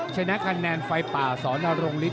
ชนะคะแนนไฟป่าศอดนรนิศ